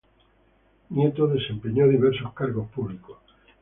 Nieto desempeñó diversos cargos públicos.